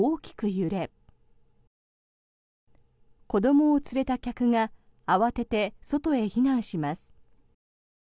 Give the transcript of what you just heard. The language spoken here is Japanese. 揺れ子どもを連れた客が慌てて外へ避難します。